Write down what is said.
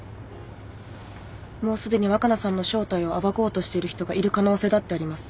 もうすでに若菜さんの正体を暴こうとしている人がいる可能性だってあります。